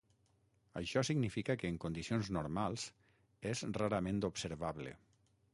Això significa que en condicions normals és rarament observable.